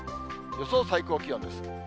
予想最高気温です。